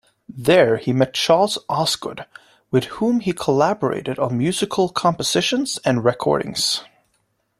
There he met Charles Osgood, with whom he collaborated on musical compositions and recordings.